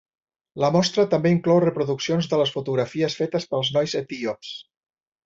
La mostra també inclou reproduccions de les fotografies fetes pels nois etíops.